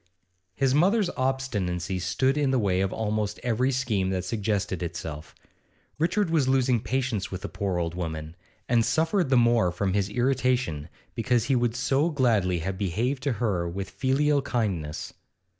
His mother's obstinacy stood in the way of almost every scheme that suggested itself. Richard was losing patience with the poor old woman, and suffered the more from his irritation because he would so gladly have behaved to her with filial kindness.